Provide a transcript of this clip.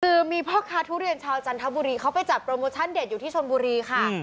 คือมีพ่อค้าทุเรียนชาวจันทบุรีเขาไปจัดโปรโมชั่นเด็ดอยู่ที่ชนบุรีค่ะ